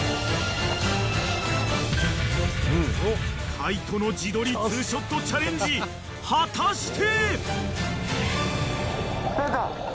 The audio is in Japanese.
［海人の自撮りツーショットチャレンジ果たして！？］